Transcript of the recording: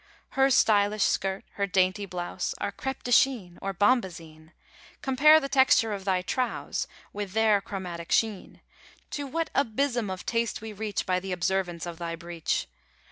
Her stylish skirt, her dainty blouse, Are crêpe de chine, or bombazine; Compare the texture of thy trous: With their chromatic sheen; To what abysm of taste we reach By the Observance of thy Breech!